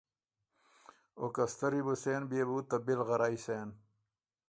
او که ستری بو سېن بيې بو ته بی لغرئ سېن“